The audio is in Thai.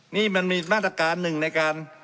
นี่มันมีมาตรการหนึ่งในการ